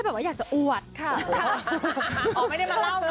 กับเพลงที่มีชื่อว่ากี่รอบก็ได้